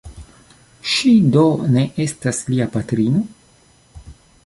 Ŝi do ne estas lia patrino?